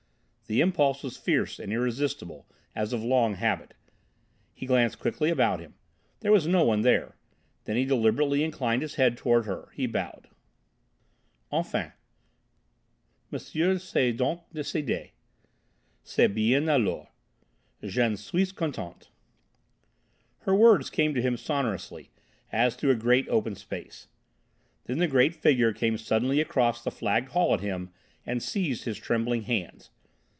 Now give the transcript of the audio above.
The impulse was fierce and irresistible, as of long habit. He glanced quickly about him. There was no one there. Then he deliberately inclined his head toward her. He bowed. "Enfin! M'sieur s'est donc décidé. C'est bien alors. J'en suis contente." Her words came to him sonorously as through a great open space. Then the great figure came suddenly across the flagged hall at him and seized his trembling hands.